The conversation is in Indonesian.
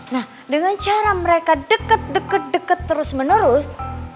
nah dengan cara mereka deket deket terus menerus